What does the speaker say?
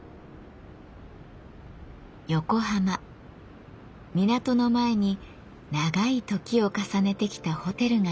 港の前に長い時を重ねてきたホテルがあります。